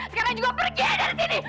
sekarang juga pergi dari sini